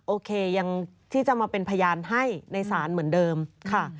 โอเคยังที่จะมาเป็นพยานให้ในศาลเหมือนเดิมค่ะ